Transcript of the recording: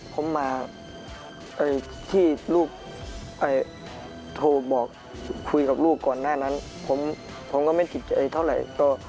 ผมมาที่ลูกโทรบอกคุยกับลูกก่อนหน้านั้นผมก็ไม่ติดใจเท่าไหร่